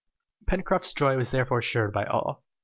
Pencroft's joy was therefore shared by all.